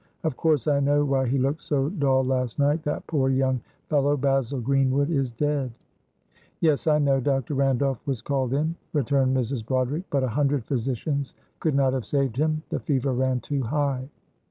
Of course I know why he looked so dull last night, that poor young fellow Basil Greenwood is dead." "Yes, I know; Dr. Randolph was called in," returned Mrs. Broderick; "but a hundred physicians could not have saved him, the fever ran too high."